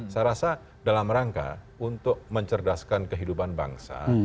saya rasa dalam rangka untuk mencerdaskan kehidupan bangsa